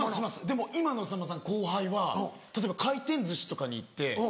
でも今のさんまさん後輩は例えば回転寿司とかに行って。